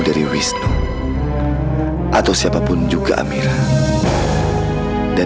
jadi kamu sempat lihat kan